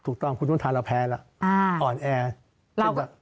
ถูกต้องคุณพุทธาเราแพ้แล้วอ่อนแอร์